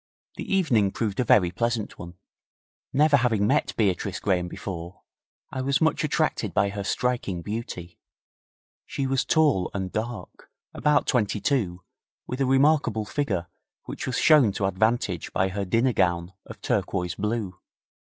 The evening proved a very pleasant one. Never having met Beatrice Graham before, I was much attracted by her striking beauty. She was tall and dark, about twenty two, with a remarkable figure which was shown to advantage by her dinner gown of turquoise blue.